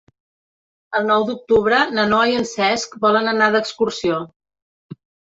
El nou d'octubre na Noa i en Cesc volen anar d'excursió.